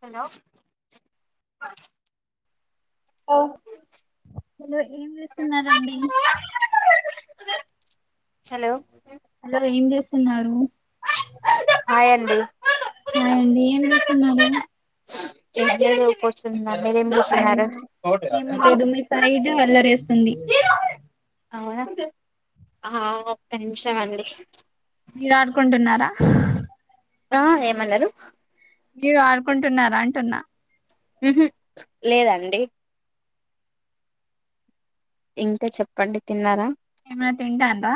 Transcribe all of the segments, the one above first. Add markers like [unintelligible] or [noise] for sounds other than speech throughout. Hello hello ఏం చేస్తున్నారంండి hello అలా ఏం చేస్తున్నారుారు హాయ్ అండి అయండి ఏం చేస్తున్నారు [unintelligible] అవునా చేస్తున్నారు ఏమో లేదు మీ సైడ్ అల్లరీ చెస్తుంది అవునా, ఆ ఒక్క నిమిషం అండి మీరు ఆడుకుంటున్నారా? ఆ ఏమన్నారు? మీరు ఆడుకుంటున్నార అంటున్న. ముహు లేదండి. ఇంకా చెప్పండి తిన్నారా? ఏమన తింటాన్రా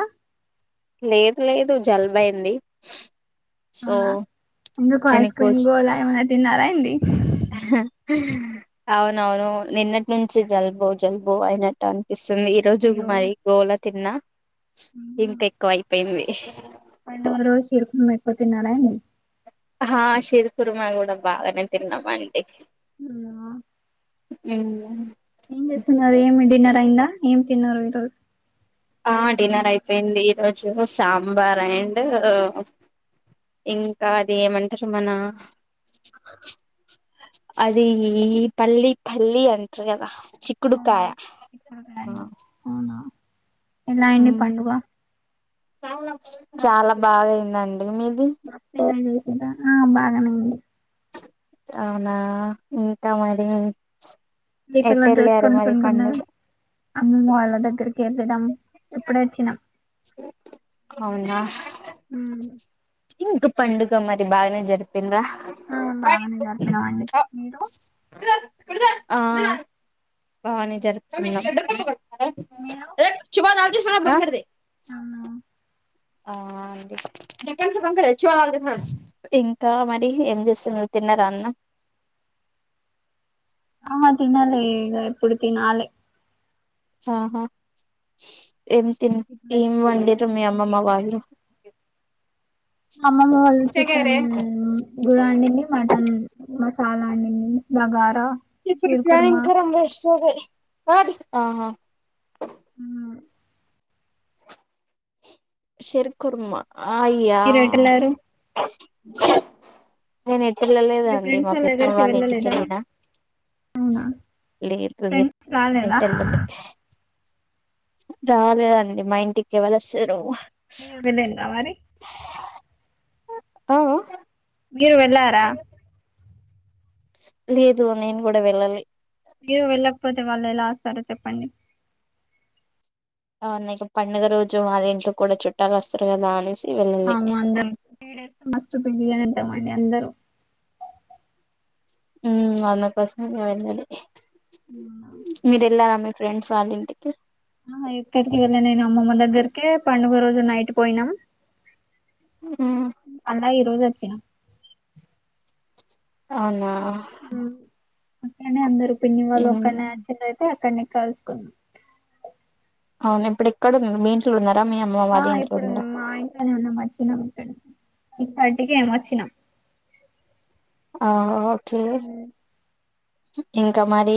లేదు లేదు జలుబయింది సో అవునా ఎందుకు ఇట్లనే ఐస్ క్రీమ్ కూర్చు గోల ఏమన తిన్నారా ఏంది? అవునవును నిన్నటి నుంచి జలుబు జలుబు అయినట్టు అని పిస్తుంది ఈ రోజు అయ్యో మరి గోల తిన్నా ఇంత ఎక్కువ అయిపోయింది. ఇష్ పండుగ రోజు ఇరుపం అయిపోతున్నారయి ఆ సిరి కుర్మా కూడా బాగానే తిన్నాం అండి మ్ మ్ ఏం చేస్తున్నారు ఏమి డిన్న టయిందా ఏం తిన్నారు ఈరోజు? ఆ డిన్నర్ అయిపోయింది ఈరోజు సాంబార్ అండ్ ఇంకా అది ఏమంటారు మన అది పల్లి పల్లి అంటారు కదా అవునా చిక్కుడుకాయ ఇప్పుడే ఆ అయిందా? అవునా ఎలా అయింది పండుగ చాలా బాగయిందండి మీది? పనులు చేసుకుంటా ఆ బాగానే ఉంది. అవునా ఇంకా మరి ఇదే ఇక్కడ ఎట్ వాడు డ్రెస్ వెళ్ళారు మరి కొనుకుంటన్నాడు. పండుగ అమ్మమ్మ వాళ్ళ దగ్గరికి వెళ్ళడం ఎప్పుడు వచ్చినాం అవునా ఇం పండుగ మరి బాగానే జరిపిందా ఆ బాగానే జరిపినమండి మీరు ఆ బానే జరుపుకున్నాం మీరు [unintelligible] ఆ ఇంకా మరి ఏం చేస్తున్నారు తిన్నారా అన్నం ఆ తినలే ఇంకా ఇప్పుడు తినాలి ఆహా ఏంతీ ఇప్పుడే ఏం తిన్నాం కదా వండిన్రు మీ తినబుద్ధి అమ్మమ్మా అయితలేదు వాళ్ళు అమ్మమ్మ వాళ్ళు చికెన్ గుర వండింది మటన్ మ చాలా అందంగా ఉంది నగారా ఇప్పుడు ప్లానింగు కూడా [unintelligible] అ ఆహా హ శర్ కుర్మా ఆ అయ్యా మీరు ఎటెల్లారు నేను పిల్ల లేదా మీ అండి ఫ్రెండ్స్ మా పెద్ద దగ్గరికి వాళ్ళ వెళ్ళలేదా ఇంటికెళ్ళినా అవునా లేదు ఎటో ఫ్రెండ్స్ రాలేదా వెళ్ళింది రాలేదండి మా ఇంటికి ఎవలువస్తారు మీరు వెళ్ళండి మరి అ అ మీరు వెళ్ళారా లేదు నేను కూడా వెళ్ళాలే మీరు వెళ్ళకపోతే వాళ్ళు ఎలా వస్తారో చెప్పండి అవును ఇక పండుగ రోజు వాళ్ళ ఇంట్లో కూడా చుట్టాలు వస్తారు కదా అని ఆమె మందులు [unintelligible] మస్తు పిండి పాండి అందరు ఉ వంద ప్రశ్నలు అడిగారు మీరు ఎల్లర మీ ఫ్రెండ్స్ వాళ్ళింటికి ఆ ఎయిట్ థర్టీ కే వెళ్ళ నేను అమ్మమ్మ దగ్గర కే పండుగ రోజు నైట్ పోయినా ఉమ్, అన్నయ్య ఇది ఓకే యా అవునా ఉ అక్కన్నే అందరు పిన్ని వాళు ఉమ్ ఒక్కల్నే యాడ్ చేయలేదు అక్కడనే కలుసుకున్నా అవున ఇప్పుడు ఎక్కడన్నారు మీ ఇంట్లోనా ఆ ఇప్పుడు మా ఆ ఇంట్లోనే ఉన్నాం మా చిన్న అన్న ఫ్రెండ్స్ ఇప్పటిక ఏం వచ్చినాం ఆ ఓకే మో ఇంకా మరి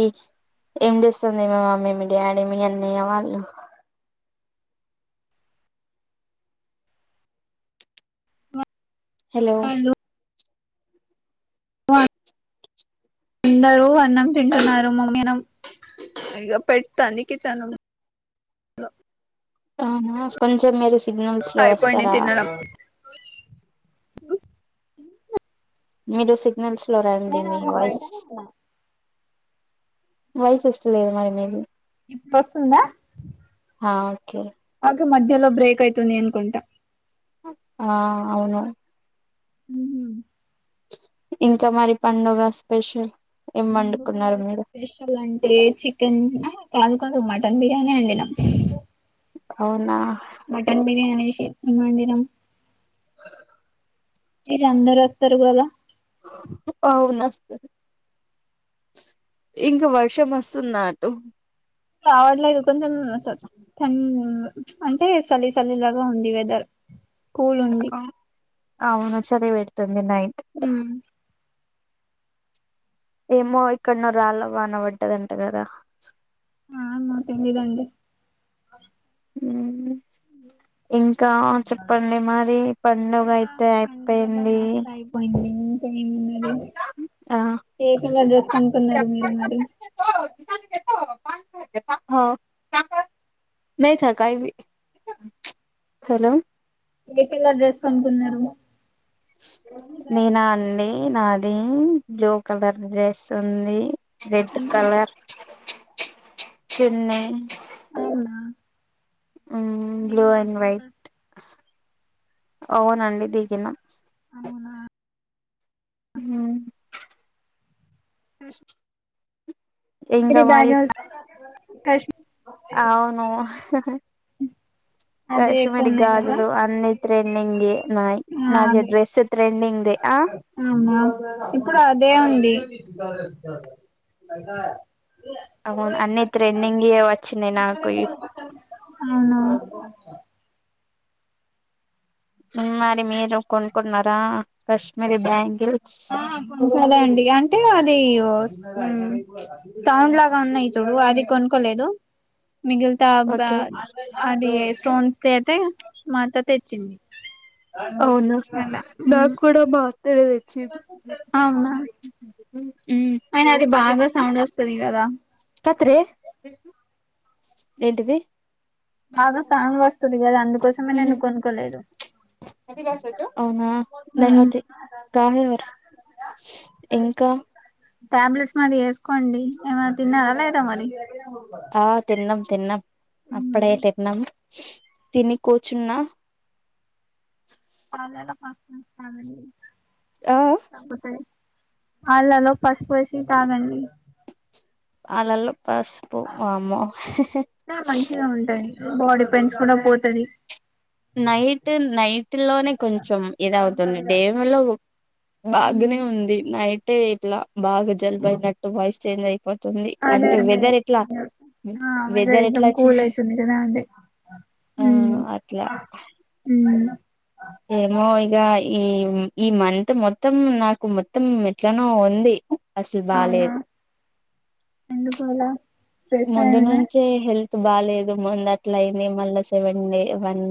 ఏంచేస్తున్నారు మీ మమ్మీ మీ డాడీ మీ అన్న వాళ్ళు హలో అందరూ అన్నం తింటున్నారు మమ్మీ [unintelligible] ఇగా పెడతంది కిచెన్ లో అవునా కొంచం మీరూ సిగ్నల్స్ లో అయిపోయింది వస్తారా తినడం మీరు సి గ్నల్స్ లో రండి నేను మీ ఇక వాయిస్ బయటనే ఉన్నా వాయిస్ ఓస్తలేదు మరి మీది ఇప్పుడు వస్తుందా ఆ ఓకే ఓకే మధ్యలో బ్రేక్ అయితుంది అన్కుంటా ఆ అవును హ ఇంకా మరి పండుగ స్పెషల్ ఏం పండుగ వండుకున్నారు మీరు స్పెషల్ అంటే చికెన్ కాదు కాదు మటన్ బిర్యానీ ఏం తిన అవునా మటన్ బిర్యానీ [unintelligible] నేను తిన మీరు అందరు వస్తూరు కదా అవున ఆస్తు ఇంక వర్షం వస్తుంద అటు రావట్లేదు కొంచెం [unintelligible] అంటే చలి చలి లాగా ఉంది వెదర్ స్కూల్ ఉంది అవును చలిపెడతది ది నైట్ ఏమో ఏక్కడ నీ రాళ్ళ వాన పడ్డదంట కదా ఆ ఏమో తెలీదండి ఉ ఇంకా చెప్పండి మరి పండుగ ఇంకా అయితే అయిపోయింది మరి ఆ ఏ కలర్ డ్రెస్ కొనుకున్నారు మీరు మరి హలో ఏ కలర్ డ్రెస్ కొనుకున్నారు నేనా అండి నా ది బ్లూ కలర్ డ్రెస్ ఉంది రెడ్ ఉమ్, కలర్ చిన్ని అవునా బ్లూ దిగిండ్రా అండ్ ఫోటోస్ వైట్ అవునండి దిగినా అవునా హ వి మీర్ ఇంకా బ్యాగ మరి [unintelligible] అవును అదే ఎక్కువ కాశ్మీరి ఉన్నాయి కదా గాజులు అన్ని ట్రెండింగ్ నాయి ఆ నాది అదే డ్రెస్ ట్రెండింగ్ అవునా ఇప్పుడు అదే అండి కా అవును అన్ని ట్రెండింగ్ వచ్చినాయి నాకు అవునా ఇంగా మరి మీరు కొంకుంటన్నారా కాశ్మీరి బ్యాంగ్ ఆ కొనుకుండా అండి అంటే అది సౌండ్ లాగా ఉన్నాయి చూడు అది కొనుక్కోలేదు మిగిగా బ ఓకే అది స్టోన్స్ అయితే మత్త తెచ్చింది అవునా నాకి కూడాడ బా అవున ఉ అయినా అది బాగా సౌండ్ వస్తుది కదా కత్రే ఏంటివి బగ ఫంగ్ వస్తుంది కదా అందుకోసమే ఉహు నేను కొనుక్కలేదు అవునా నహోతి కాహేవర్ ఇంకా టాబ్లెట్స్ మరి వేసుకోండి ఏమ తిన్నారా లేదా మరి ఆ తిన్నాం తిన్నాం ఉమ్ అప్పడే తిన్నాం తిని కూర్చున్న చాల ప [unintelligible] [unintelligible] పాలలో పసుపు వేసి తాగండి పళ్ళలో పసుపు వామ్మో స ఆ మంచిగా ఉంటాయి బాడీ పెంచుకున్న పోతుది నైట్ నైట్ టిల్లోనే కొంచెం ఇది అవుతుంది డామేలో ఉమ్ బాగానే ఉంది నైటే ఎట్లా బాగా జల్పోయినట్టు వాయిస్ చేంజ్ ఆయె అదే అదే [unintelligible] ఆ వెదర్ ఏకదం ఎట్లా చే కూల్ అవుతుంది అదే ఆ హ్మ్ అట్లా హ ఉ ఏమో ఇక ఈ ఈ మంత్ మొత్తం నాకు మొత్తం ఎట్లనొ ఉంది అసలు అవునా బాలేేదు ఎందుకు అలా? స్ట్రెస్ ముందు అయ్యానా నుంచే హెల్త్ బాలేదు మంద ఎట్లా అయింది మళ్ళా seven day one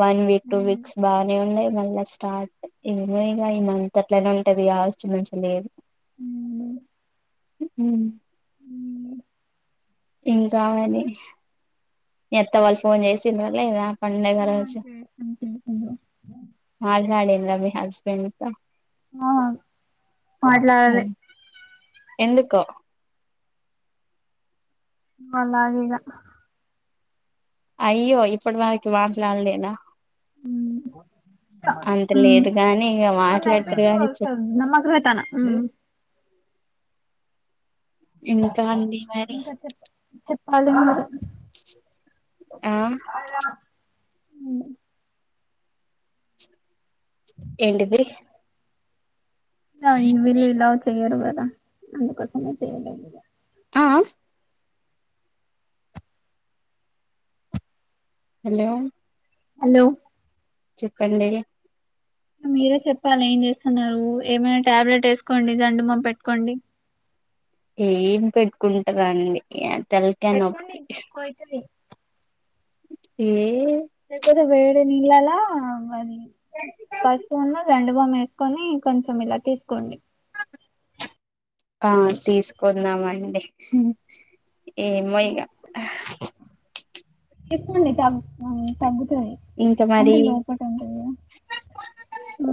one week two um weeks బానే ఉన్నాయి మళ్ళా స్టార్ట్ ఏమో ఇగ మంత్ అట్లనే ఉంటది [unintelligible] నుంచి లేదు హ్మ్ ఉ ఇంకా మళ్లీ మీ అత్త వాళ్ళు ఫోన్ చేసిందా లేదా పండగ ఆ రోజు చేసాను చేసాను మాట్లాడిర్ మీ హస్బెండ్ తో ఆ మాట్లాడాలి ఎందుకో మల్లా [unintelligible] అయ్యో ఇప్పుడు మనకి మాట్లాడలేనా హు హ అంత లేదు గాని ఇగ మాట్లాడతారు గాని చే [unintelligible] ఇంకా అండి మరి అదే మరి ఆ ఉమ్ ఏంటిది నాన్ను వీళ్లు [unintelligible] [unintelligible] ఆ అందు కోసమే చేయలేదు ఆ హా హలో హలో చెప్పండి మీరే చెప్పాల ఏం చేస్తున్నారు ఏమైనా టాబ్లెట్ వేసుకోండి జండుబామ్ పెట్టుకోండి. ఏం పెట్టుకుంటార అండి అ తలకాయ పెట్టుకోండి నొప్పి తక్కువ అయితది ఏం ఏ [unintelligible] వే తిన్న [unintelligible] మరి పసుపు ఉన్ను జండుబాం ఎస్ కొన్ని కొంచెం ఇలా తీసుకోండి. ఆ తీసుకోన్నామండి. హూ ఏమో ఇగ చెప్పండి తగ్తుంద్ తగ్గు తే ఇంకా మరి అంటే లోపల ఉంటది గద హు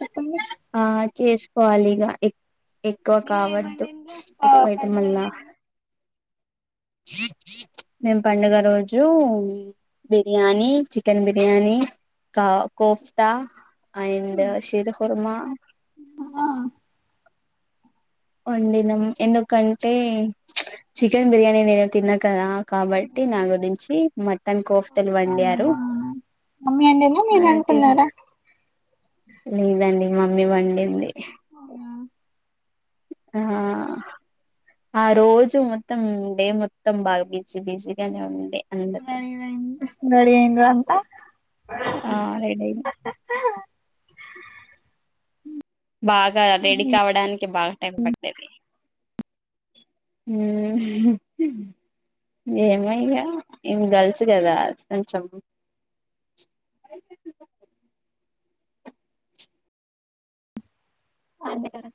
చెప్పండి. చేసుకోవాలిగ ఎక్కువ కావద్దు మీరేమండిండ్రు ప ఎక్కువయితే పండుగ మళ్ళా రోజున మేము పండుగ రోజు బిర్యానీ చికెన్ బిర్యానీ కా కోఫ్తా అండ్ శిరకుర్మా ఆ వండినం ఎందుకంటే చికెన్ బిర్యానీ నేను తినన్ కద కాబట్టి నా గురించి మటన్ కోఫ్తలు వండారు మమ్మీ అండినా మీరు అది తిన్న అనుకున్నారా లేదండి మమ్మీ వండింది. అవునా ఆ ఆ రోజు మొత్తం డే మొత్తం బాగా బిజీ బిజీగానే ఉండే అందరు రెడీ రెడీ రెడీ రెడీ అయ్యిందా అంతా ఆ రెడీ అయింది. బాగా రెడీ కావడానికి బాగా టైం పట్టేది. మ్మ్ హు ఏమయిన మేం గర్ల్స్ కదా కొంచం అదేకదా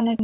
అవునం